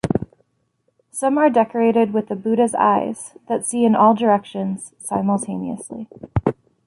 Some are decorated with the Buddha's eyes that see in all directions simultaneously.